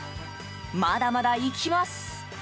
まだまだいきます。